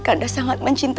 siapa yang menolongmu